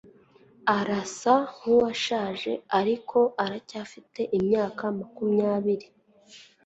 arasa nkuwashaje, ariko aracyafite imyaka makumyabiri